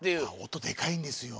音でかいんですよ。